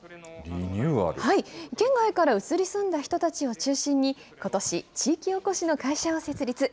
県外から移り住んだ人たちを中心に、ことし、地域おこしの会社を設立。